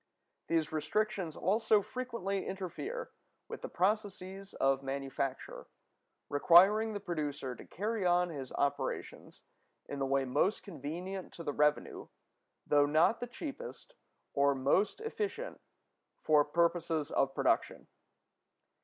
These restrictions also frequently interfere with the processes of manufacture, requiring the producer to carry on his operations in the way most convenient to the revenue, though not the cheapest or most efficient for purposes of production.